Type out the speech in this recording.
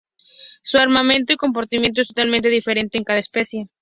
Su armamento y comportamiento es totalmente diferente en cada especie.